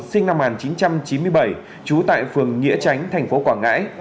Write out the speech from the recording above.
sinh năm một nghìn chín trăm chín mươi bảy trú tại phường nghĩa tránh thành phố quảng ngãi